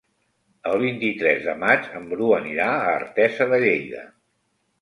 El vint-i-tres de maig en Bru anirà a Artesa de Lleida.